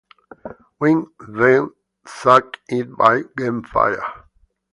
"Gwin" then sank it by gunfire.